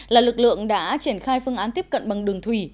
là lực lượng đã triển khai phương án tiếp cận bằng đường thủy